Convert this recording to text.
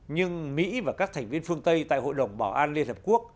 nhưng mỹ và các thành viên phương tây tại hội đồng bảo an liên hợp quốc